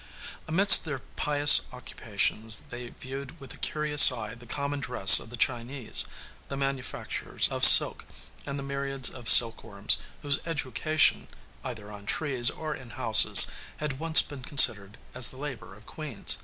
Amidst their pious occupations they viewed with a curious eye the common dress of the Chinese, the manufactures of silk, and the myriads of silkworms, whose education (either on trees or in houses) had once been considered as the labor of queens.